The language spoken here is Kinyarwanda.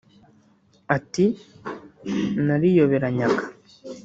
Ati” Nariyoberanyaga